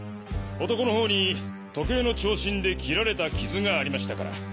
男の頬に時計の長針で切られた傷がありましたから。